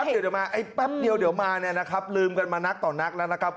ใช่ปั๊บเดี๋ยวเดี๋ยวมานี่นะครับลืมกันมานักต่อนักแล้วนะครับ